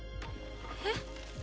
えっ？